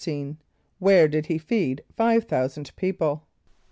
= Where did he feed five thousand people?